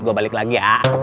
gue balik lagi ya